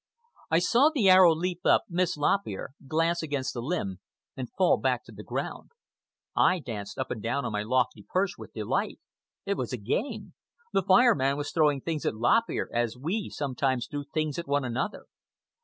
I saw the arrow leap up, miss Lop Ear, glance against a limb, and fall back to the ground. I danced up and down on my lofty perch with delight. It was a game! The Fire Man was throwing things at Lop Ear as we sometimes threw things at one another.